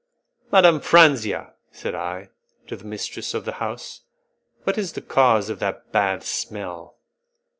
"Madame Franzia," said I, to the mistress of the house, "what is the cause of that bad smell?"